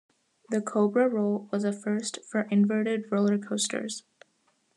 The cobra roll was a first for inverted roller coasters.